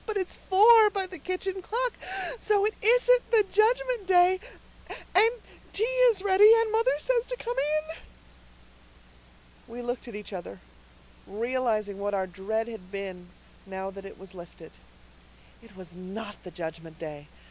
But it's four by the kitchen clock so it isn't the Judgment Day and tea is ready and mother says to come in." We looked at each other, realizing what our dread had been, now that it was lifted. It was not the Judgment Day.